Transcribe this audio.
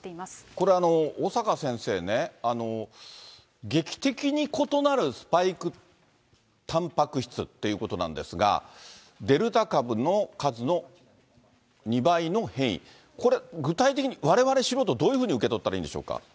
これ、小坂先生ね、劇的に異なるスパイクたんぱく質っていうことなんですが、デルタ株の数の２倍の変異、これ、具体的にわれわれ素人、どういうふうに受け取ったらいいんでしょうか。